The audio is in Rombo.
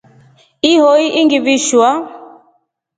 Ihoi ingivishwa.